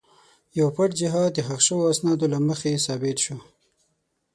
یو پټ جهاد د ښخ شوو اسنادو له مخې ثابت شو.